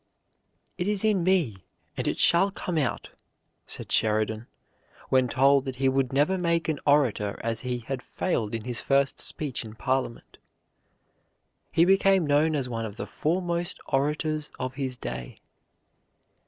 "It is in me and it shall come out," said Sheridan, when told that he would never make an orator as he had failed in his first speech in Parliament. He became known as one of the foremost orators of his day.